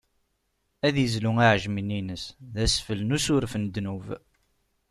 Ad izlu aɛejmi-nni ines, d asfel n usuref n ddnub.